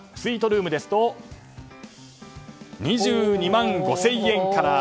スイートルームですと２２万５０００円から。